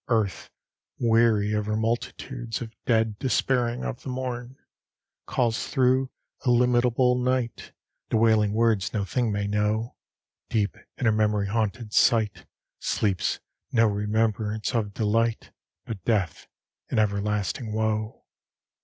Earth, weary of her multitudes Of dead, despairing of the morn, Calls through illimitable night The wailing words no thing may know; Deep in her memory haunted sight Sleeps no remembrance of delight, But death and everlasting woe.